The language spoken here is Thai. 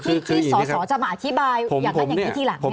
คือสอสมออธิบายอยากได้อย่างนี้ที่หลัง